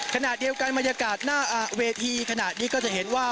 ขณะเดียวกันบรรยากาศหน้าเวทีขณะนี้ก็จะเห็นว่า